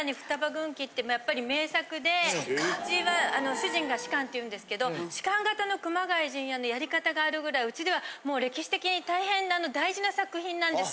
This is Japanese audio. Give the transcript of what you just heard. うちは主人が芝翫っていうんですけど芝翫型の『熊谷陣屋』のやり方があるぐらいうちではもう歴史的に大変大事な作品なんです。